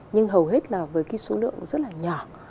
nhưng hầu hết là với cái số lượng rất là nhỏ